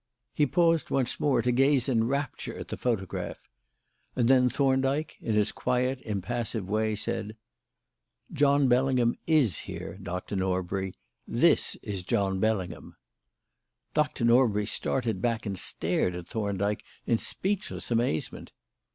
He paused once more to gaze in rapture at the photograph. And then Thorndyke, in his quiet, impassive way, said: "John Bellingham is here, Doctor Norbury. This is John Bellingham." Dr. Norbury started back and stared at Thorndyke in speechless amazement.